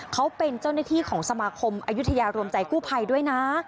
เขาเป็นเจ้าหน้าที่ของสมาคมอายุทยารวมใจกู้ภัยด้วยนะ